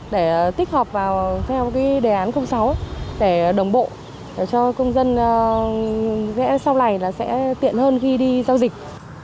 để tích hợp theo đề án sáu để đồng bộ cho công dân sau này sẽ tiện hơn khi đi giao dịch